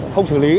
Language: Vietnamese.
không xử lý